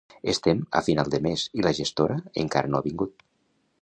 Estem a final de mes i la gestora encara no ha vingut